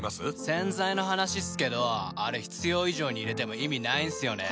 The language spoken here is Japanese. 洗剤の話っすけどあれ必要以上に入れても意味ないんすよね。